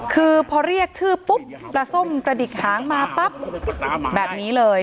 คือพอเรียกชื่อปุ๊บปลาส้มกระดิกหางมาปั๊บแบบนี้เลย